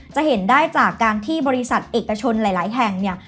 จะเห็นได้จากการที่บริษัทเอกชนหลายแห่งเนี่ย